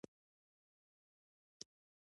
که په ذهن کې پوښتنې لرئ نو له نورو یې وپوښته.